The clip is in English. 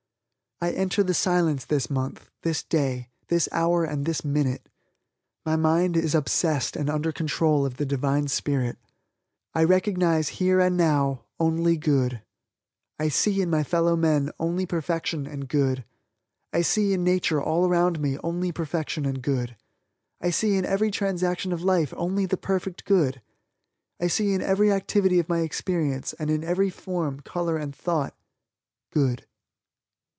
I enter the Silence this month, this day, this hour and this minute. My mind is obsessed and under control of the Divine Spirit, I recognize here and now only good. I see in my fellowmen only perfection and good. I see in nature all around me only perfection and good. I see in every transaction of life only the perfect good. I see in every activity of my experience, and in every form, color and thought, good.